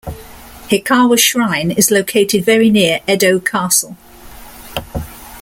Hikawa Shrine is located very near Edo Castle.